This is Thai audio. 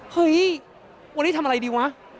เฮ้ยวันนี้ทำอะไรดีวะ